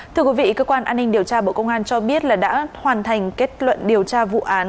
thưa quý vị cơ quan an ninh điều tra bộ công an cho biết là đã hoàn thành kết luận điều tra vụ án